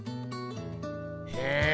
へえ。